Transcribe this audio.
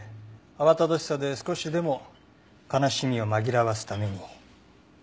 慌ただしさで少しでも悲しみを紛らわすためにも。